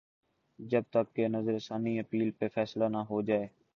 جب تک کہ نظر ثانی اپیل پہ فیصلہ نہ ہوجائے۔